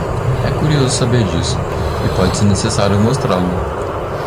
É curioso saber disso, e pode ser necessário mostrá-lo.